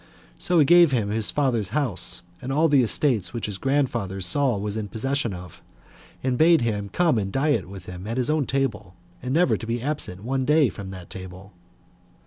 So he gave him his father's house, and all the estate which his grandfather Saul was in possession of, and bade him come and diet with him at his own table, and never to be absent one day from that table.